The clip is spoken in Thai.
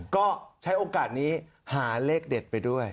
ก็ใช้โอกาสนี้หาเลขเด็ดไปด้วย